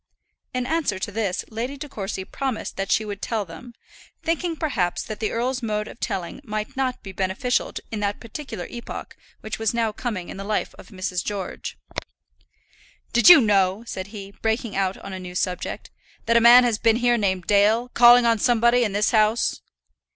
In answer to this Lady De Courcy promised that she would tell them, thinking perhaps that the earl's mode of telling might not be beneficial in that particular epoch which was now coming in the life of Mrs. George. "Did you know," said he, breaking out on a new subject, "that a man had been here named Dale, calling on somebody in this house?"